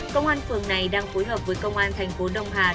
công an phường này đang phối hợp với công an thành phố đông hà